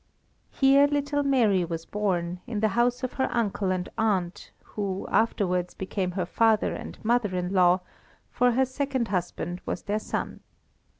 Here little Mary was born, in the house of her uncle and aunt, who afterwards became her father and mother in law, for her second husband was their son.